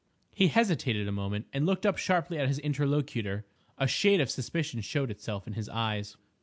He hesitated a moment and looked up sharply at his interlocutor. A shade of suspicion showed itself in his eyes.